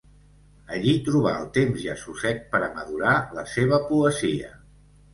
Allí troba el temps i assossec per a madurar la seva poesia.